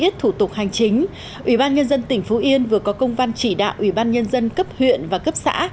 thủ tục hành chính ủy ban nhân dân tỉnh phú yên vừa có công văn chỉ đạo ủy ban nhân dân cấp huyện và cấp xã